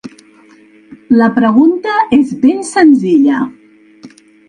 La pregunta és ben senzilla.